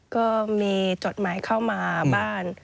ก็มีจดหมายเข้ามาบ้าน